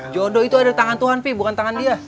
jodoh itu ada tangan tuhan pi bukan tangan dia